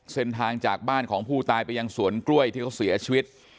เส้นทางจากบ้านของผู้ตายไปยังสวนกล้วยที่เขาเสียชีวิต